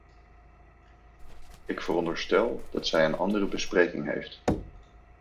Ik veronderstel dat zij een andere bespreking heeft.